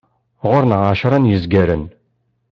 Ɣur-neɣ εecra n yizgaren.